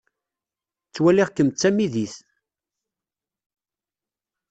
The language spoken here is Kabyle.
Ttwaliɣ-kem d tamidit.